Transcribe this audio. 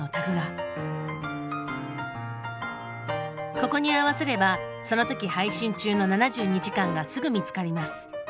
ここに合わせればその時配信中の「７２時間」がすぐ見つかります。